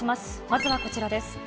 まずはこちらです。